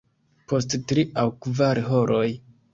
Post tri aŭ kvar horoj.